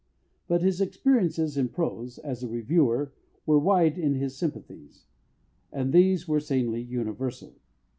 But his experiences in prose, as a reviewer, were wide as his sympathies, and these were sanely universal.